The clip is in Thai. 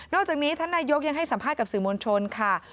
อกจากนี้ท่านนายกยังให้สัมภาษณ์กับสื่อมวลชนค่ะ